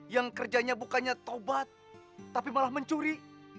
yang kerjanya bukannya tobat tapi malah mencuri